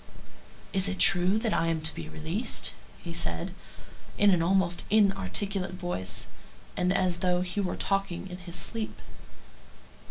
"Is it true that I am to be released?" he said, in an almost inarticulate voice, and as though he were talking in his sleep.